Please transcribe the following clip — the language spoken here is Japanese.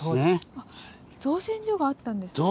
造船所があったんですか。